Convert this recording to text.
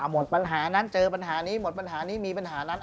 หมดปัญหานั้นเจอปัญหานี้หมดปัญหานี้มีปัญหานั้น